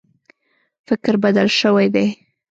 فکر بدل شوی دی.